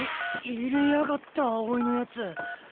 い入れやがった青井のやつ。